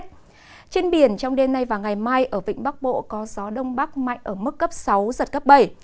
trên biển trong đêm nay và ngày mai ở vịnh bắc bộ có gió đông bắc mạnh ở mức cấp sáu giật cấp bảy